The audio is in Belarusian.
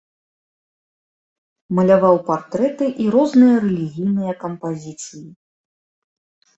Маляваў партрэты і розныя рэлігійныя кампазіцыі.